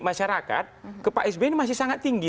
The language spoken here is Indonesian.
masyarakat ke pak sby ini masih sangat tinggi